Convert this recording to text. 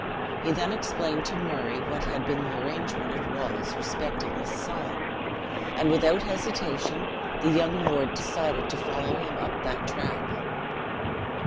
He then explained to Murray what had been the arrangement of Wallace respecting this sign, and without hesitation the young lord decided to follow him up that track.